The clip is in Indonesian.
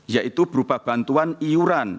yaitu berupa bantuan iuran